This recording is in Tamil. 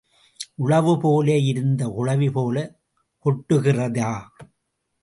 உளவு போல இருந்து குளவி போலக் கொட்டுகிறதா?